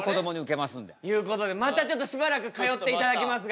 いうことでまたちょっとしばらく通っていただきますが。